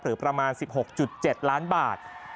ประมาณ๑๖๗ล้านบาท